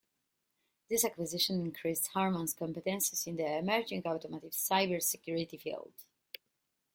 This acquisition increased Harman's competencies in the emerging automotive cyber-security field.